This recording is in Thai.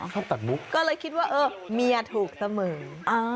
ชอบตัดมุกก็เลยคิดว่าเออเมียถูกเสมอ